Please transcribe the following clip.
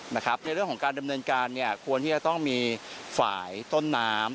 ในเรื่องของการดำเนินการควรที่จะต้องมีฝ่ายต้นน้ำ